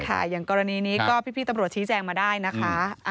อย่างกรณีนี้ก็พี่ตำรวจชี้แจงมาได้นะคะ